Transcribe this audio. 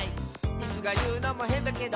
「イスがいうのもへんだけど」